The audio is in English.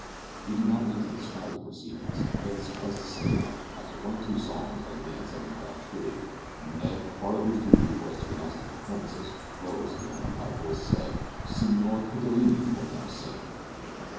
We do not mean to describe the proceedings. Let it suffice to say that, after one or two songs and a dance had been got through, Ned, part of whose duty it was to announce the performances, rose and in a loud voice said "Signor Twittorini will now sing."